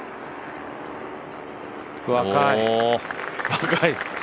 若い。